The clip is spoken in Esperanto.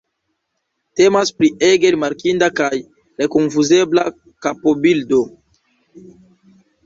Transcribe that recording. Temas pri ege rimarkinda kaj nekonfuzebla kapobildo.